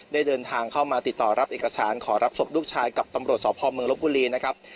เดินทางเข้ามาติดต่อรับเอกสารขอรับศพลูกชายกับตำรวจสพเมืองลบบุรีนะครับ